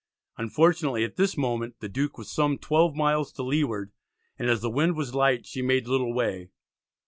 Unfortunately at this moment the Duke was some twelve miles to leeward, and as the wind was light she made little way.